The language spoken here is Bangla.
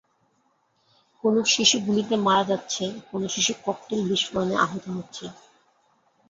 কোনো শিশু গুলিতে মারা যাচ্ছে, কোনো শিশু ককটেল বিস্ফোরণে আহত হচ্ছে।